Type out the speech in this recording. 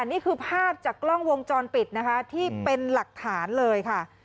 นี่คือภาพจากกล้องวงจรปิดนะคะที่เป็นหลักฐานเลยค่ะ